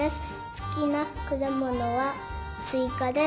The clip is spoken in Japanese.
すきなくだものはすいかです。